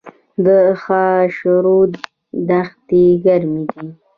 د خاشرود دښتې ګرمې دي